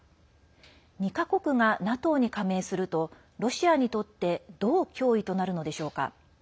２か国がＮＡＴＯに加盟するとロシアにとってどう脅威となるのでしょうか。